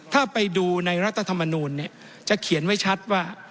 ถ้าไปดูในรัฐธรรมนูลจะเขียนไว้ชัดว่า